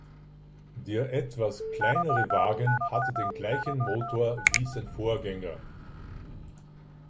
Der etwas kleinere Wagen hatte den gleichen Motor wie sein Vorgänger.